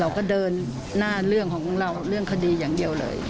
เราก็เดินหน้าเรื่องของเราเรื่องคดีอย่างเดียวเลย